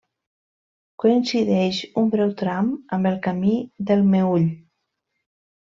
Coincideix un breu tram amb el Camí del Meüll.